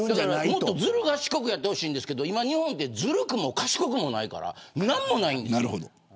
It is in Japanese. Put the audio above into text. もっとずる賢くやってほしいんですけど今の日本ってずるくも賢くもないから何もないんです。